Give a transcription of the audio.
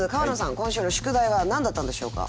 今週の宿題は何だったんでしょうか？